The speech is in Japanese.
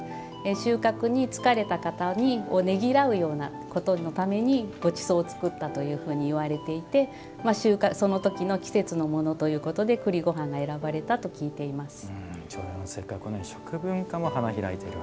収穫に疲れた方をねぎらうようなことのためにごちそうを作ったというふうにいわれていてその時の季節のものということで栗ご飯が選ばれたと聞いています。